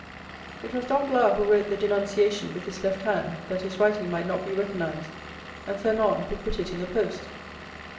"It was Danglars who wrote the denunciation with his left hand, that his writing might not be recognized, and Fernand who put it in the post."